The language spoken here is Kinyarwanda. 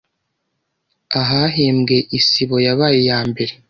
ahahembwe Isibo yabaye Iya mbere